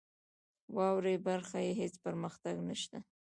واورئ برخه کې هیڅ پرمختګ نشته .